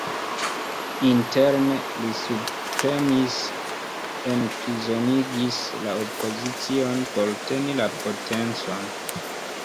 Interne, li subpremis, enprizonigis la opozicion, por teni la potencon.